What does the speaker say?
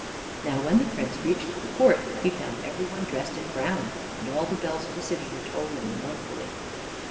Now when the Prince reached the court he found every one dressed in brown, and all the bells of the city were tolling mournfully.